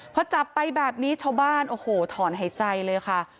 พอจับไปแบบนี้ชาวบ้านโอ้โหถอนหายใจเลยค่ะ